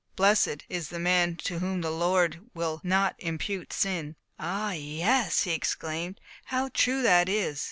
Blessed is the man to whom the Lord will not impute sin." "Ah, yes!" he exclaimed, "how true that is!